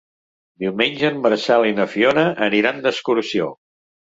Diumenge en Marcel i na Fiona aniran d'excursió.